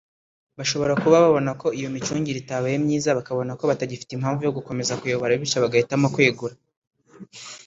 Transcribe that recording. Bashobora kuba babona ko iyo micungire itabaye myiza bakabona ko batagifite impamvu yo gukomeza kuyobora bityo bagahitamo kwegura